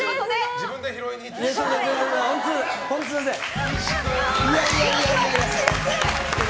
自分で拾いに行ってね。